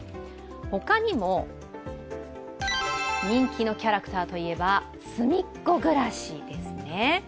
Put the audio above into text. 他にも人気のキャラクターといえばすみっコぐらしですね。